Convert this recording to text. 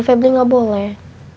febri gak boleh